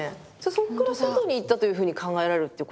そこから外に行ったというふうに考えられるってこと。